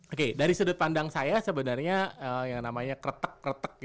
oke dari sudut pandang saya sebenarnya yang namanya kretek kretek